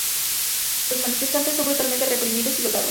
Los manifestantes son brutalmente reprimidos y golpeados.